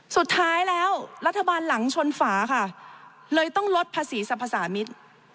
สุดท้ายแล้วรัฐบาลหลังชนฝาค่ะเลยต้องลดภาษีสรรพสามิตร